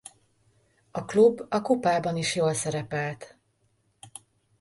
A klub a kupában is jól szerepelt.